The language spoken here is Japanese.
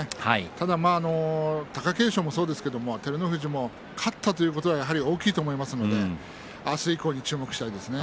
ただ貴景勝もそうですけれども照ノ富士も勝ったということが大きいと思いますので明日以降に注目したいですね。